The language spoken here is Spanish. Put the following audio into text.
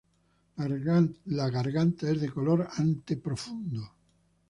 La garganta es de color ante profundo.